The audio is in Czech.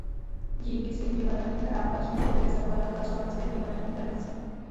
Díky svým divadelním hrám patří mezi zakladatele slovenské divadelní tradice.